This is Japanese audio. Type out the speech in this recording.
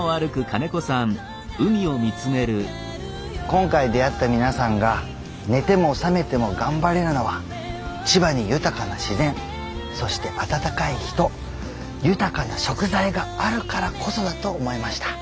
今回出会った皆さんが寝ても覚めても頑張れるのは千葉に豊かな自然そして温かい人豊かな食材があるからこそだと思いました。